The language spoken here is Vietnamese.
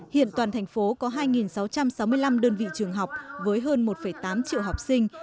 hiện toàn thành phố có hai sáu trăm sáu mươi năm đơn vị trường học với hơn một tám triệu học sinh